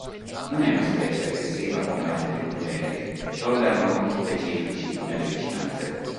Non è una specie aggressiva come altri congeneri, tollerano conspecifici nelle vicinanze.